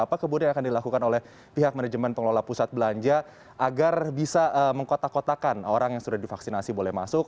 apa kemudian yang akan dilakukan oleh pihak manajemen pengelola pusat belanja agar bisa mengkotak kotakan orang yang sudah divaksinasi boleh masuk